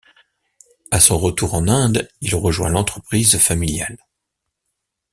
À son retour en Inde, il rejoint l’entreprise familiale.